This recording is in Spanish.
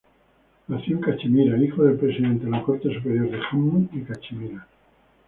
Nació en Cachemira, hijo del Presidente de la Corte Superior de Jammu y Cachemira.